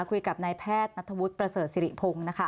คุยกับนายแพทย์นัทธวุฒิประเสริฐสิริพงศ์นะคะ